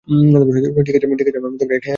ঠিক আছে, আমি এক কাপ বানিয়ে নিয়ে আসছি।